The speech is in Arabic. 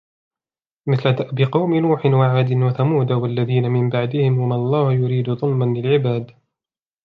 مِثْلَ دَأْبِ قَوْمِ نُوحٍ وَعَادٍ وَثَمُودَ وَالَّذِينَ مِنْ بَعْدِهِمْ وَمَا اللَّهُ يُرِيدُ ظُلْمًا لِلْعِبَادِ